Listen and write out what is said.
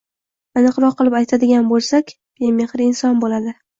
Aniqroq qilib aytadigan bo‘lsak bemehr inson bo‘ladi